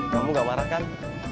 kamu nggak marah kan